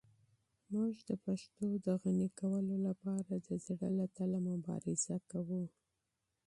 موږ د پښتو د غني کولو لپاره د زړه له تله مبارزه کوو.